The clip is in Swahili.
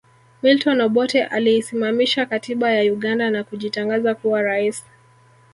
Milton Obote aliisimamisha katiba ya Uganda na kujitangaza kuwa rais